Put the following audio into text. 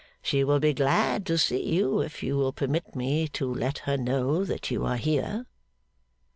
She will be glad to see you, if you will permit me to let her know that you are here.